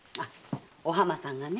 お浜さんがね